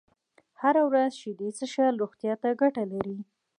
هره ورځ شيدې څښل روغتيا ته گټه لري